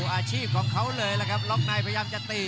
อาชีพของเขาเลยล่ะครับล็อกในพยายามจะตี